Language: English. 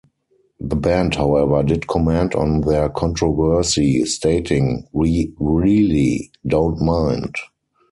The band however, did comment on their controversy, stating; We really don't mind.